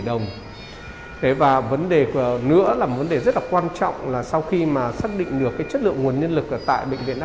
đồng vấn đề rất quan trọng là sau khi xác định được chất lượng nguồn nhân lực tại bệnh viện đa